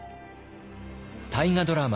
大河ドラマ